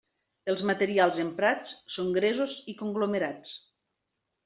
Els materials emprats són gresos i conglomerats.